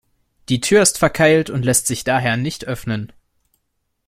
Die Tür ist verkeilt und lässt sich daher nicht öffnen.